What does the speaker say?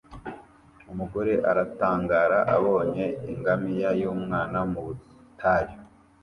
Umugore aratangara abonye ingamiya yumwana mu butayu